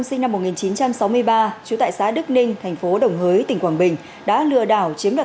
sinh năm một nghìn chín trăm sáu mươi ba trú tại xã đức ninh thành phố đồng hới tỉnh quảng bình đã lừa đảo chiếm đoạt